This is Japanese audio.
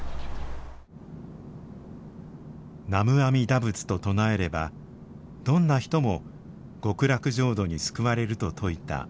南無阿弥陀仏と唱えればどんな人も極楽浄土に救われると説いた法然。